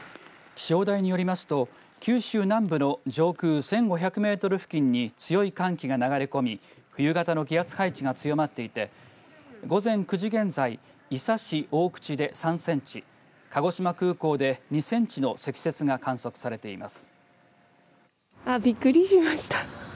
気象台によりますと九州南部の上空１５００メートル付近に強い寒気が流れ込み冬型の気圧配置が強まっていて午前９時現在伊佐市大口で３センチ鹿児島空港で２センチの積雪が観測されています。